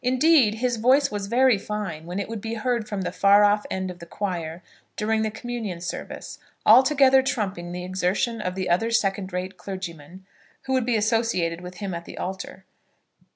Indeed, his voice was very fine when it would be heard from the far off end of the choir during the communion service, altogether trumping the exertion of the other second rate clergyman who would be associated with him at the altar.